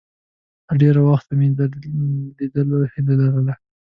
له ډېره وخته مې د لیدلو هیله لرله.